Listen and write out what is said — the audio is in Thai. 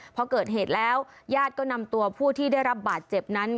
พอเกิดเหตุแล้วญาติก็นำตัวผู้ที่ได้รับบาดเจ็บนั้น